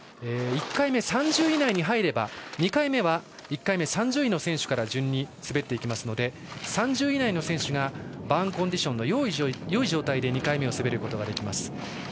１回目、３０位以内に入れば２回目は１回目、３０位の選手から順に滑るので３０位以内の選手がバーンコンディションのよい状態で２回目を滑ることができます。